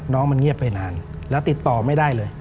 น้องมันเงียบไปนานแล้วติดต่อไม่ได้เลย